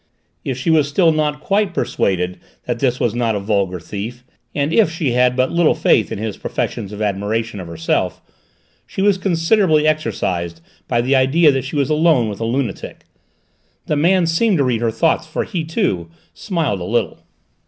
If she was still not quite persuaded that this was not a vulgar thief, and if she had but little faith in his professions of admiration of herself, she was considerably exercised by the idea that she was alone with a lunatic. The man seemed to read her thoughts for he, too, smiled a little.